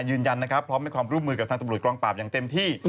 ยืนยันนะครับพร้อมให้ความร่วมมือกับทางตำรวจกองปราบอย่างเต็มที่